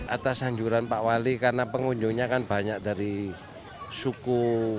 atas anjuran pak wali karena pengunjungnya kan banyak dari suku